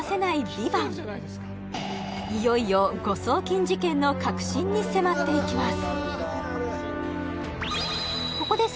「ＶＩＶＡＮＴ」いよいよ誤送金事件の核心に迫っていきます